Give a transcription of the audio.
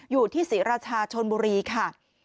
อยู่ที่ศรีราชาชนบุรีค่ะ